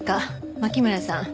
槇村さん